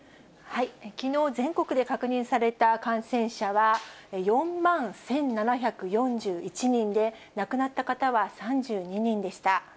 きのう全国で確認された感染者は、４万１７４１人で、亡くなった方は３２人でした。